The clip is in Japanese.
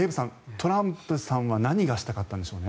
トランプさんは何がしたかったのでしょうか。